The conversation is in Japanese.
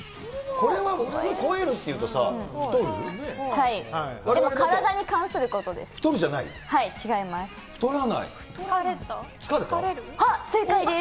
これは普通、こえるっていう体に関することです。